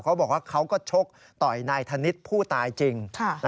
เขาบอกว่าเขาก็ชกต่อยนายธนิษฐ์ผู้ตายจริง